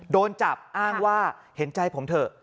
โดนจับอ้างว่าเห็นใจผมเถอะ